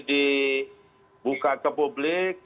dibuka ke publik